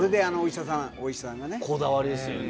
こだわりですよね。